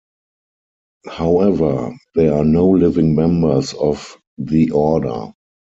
However, there are no living members of the order.